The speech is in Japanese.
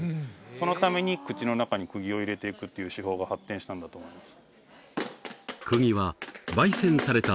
そのために口の中に釘を入れていくっていう手法が発展したんだと思います